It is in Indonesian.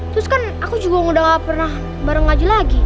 terus kan aku juga udah gak pernah bareng ngaji lagi